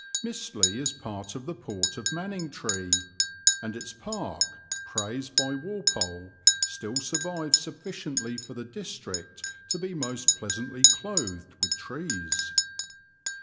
Mistley is part of the port of Manningtree, and its park, praised by Walpole, still survives sufficiently for the district to be most pleasantly clothed with trees.